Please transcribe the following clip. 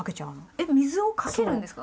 えっ水をかけるんですか？